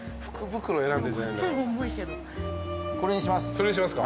これにします。